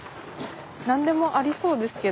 何でもありそうですけど。